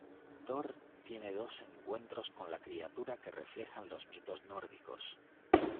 Thor tiene dos encuentros con la criatura que reflejan los mitos nórdicos.